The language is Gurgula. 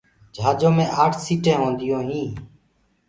جھآجو مي آٺ سيٚٽينٚ هونٚديونٚ